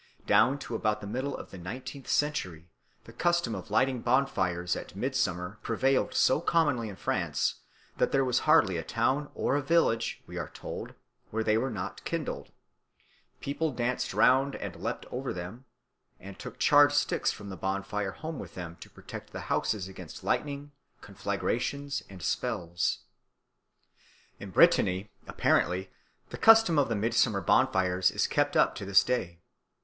Down to about the middle of the nineteenth century the custom of lighting bonfires at midsummer prevailed so commonly in France that there was hardly a town or a village, we are told, where they were not kindled. People danced round and leaped over them, and took charred sticks from the bonfire home with them to protect the houses against lightning, conflagrations, and spells. In Brittany, apparently, the custom of the midsummer bonfires is kept up to this day.